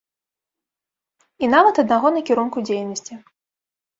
І нават аднаго накірунку дзейнасці.